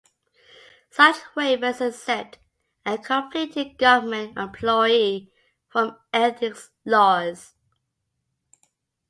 Such waivers exempt a conflicted government employee from ethics laws.